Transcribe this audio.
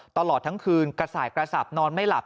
ตลอดทั้งคืนกระส่ายกระสับนอนไม่หลับ